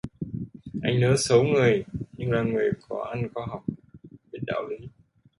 Anh nớ xấu người nhưng là người có ăn học biết đạo lý